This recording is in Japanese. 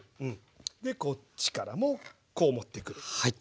でこっちからもこう持ってくる。